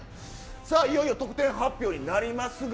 いよいよ得点発表になりますが